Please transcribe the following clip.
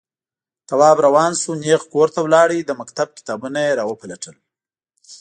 تواب روان شو، نېغ کور ته لاړ، د مکتب کتابونه يې راوپلټل.